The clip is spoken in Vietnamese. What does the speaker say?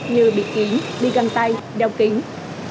như bịt kín đi găng tay đeo kính